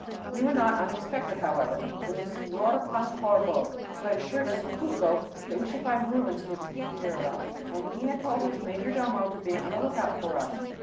We were not unexpected, however. It was Señor Pancorbo who had assured us in Cuzco that we should find ruins near Pucyura and he had told his major domo to be on the look out for us.